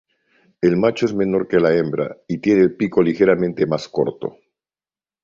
El macho es menor que la hembra, y tiene el pico ligeramente más corto.